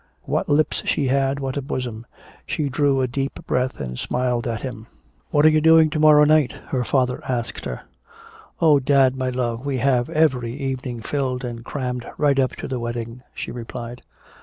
What lips she had, what a bosom. She drew a deep breath and smiled at him. "What are you doing to morrow night?" her father asked her. "Oh, dad, my love, we have every evening filled and crammed right up to the wedding," she replied.